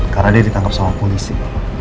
karena dia ditangkap sama polisi